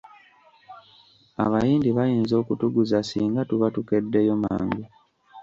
Abayindi bayinza okutuguza singa tuba tukeddeyo mangu.